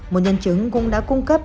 một nhân chứng cũng đã cung cấp